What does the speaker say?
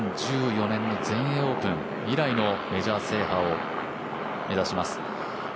２０１４年の全英オープン以来のメジャー制覇を目指します。